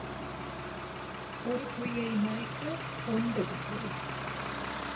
ஒரு பொய்யை மறைக்க ஒன்பது பொய்.